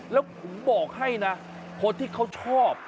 แล้วผมบอกให้นะคนที่เขาชอบ